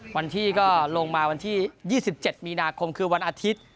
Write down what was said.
วันที่ก็ลงมาวันที่๒๗มีนาคมคือวันอาทิตย์